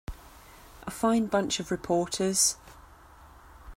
A fine bunch of reporters.